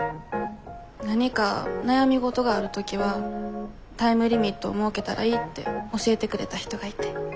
何か悩み事がある時はタイムリミットを設けたらいいって教えてくれた人がいて。